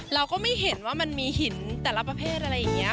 เราก็ไม่เห็นว่ามันมีหินแต่ละประเภทอะไรอย่างนี้